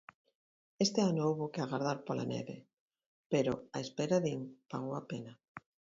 Este ano houbo que agardar pola neve, pero a espera din, pagou a pena.